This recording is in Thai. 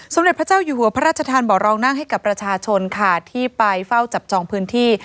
เด็จพระเจ้าอยู่หัวพระราชทานบ่อรองนั่งให้กับประชาชนค่ะที่ไปเฝ้าจับจองพื้นที่